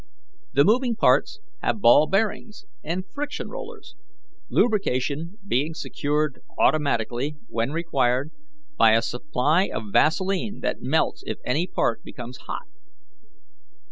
The moving parts have ball bearings and friction rollers, lubrication being secured automatically, when required, by a supply of vaseline that melts if any part becomes hot.